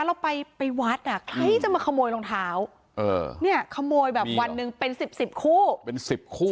เราไปไปวัดอ่ะใครจะมาขโมยรองเท้าเออเนี้ยขโมยแบบวันหนึ่งเป็นสิบสิบคู่